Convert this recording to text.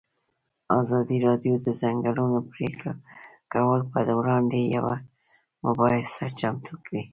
ازادي راډیو د د ځنګلونو پرېکول پر وړاندې یوه مباحثه چمتو کړې.